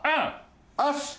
よし！